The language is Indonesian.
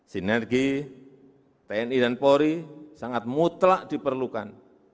sinergi tni dan polri sangat mutlak diperlukan